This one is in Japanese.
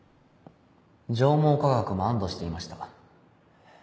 上毛化学も安堵していました。